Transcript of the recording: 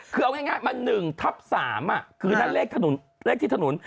คือเอาง่ายมัน๑ทับ๓คือนั่นเลขที่ถนน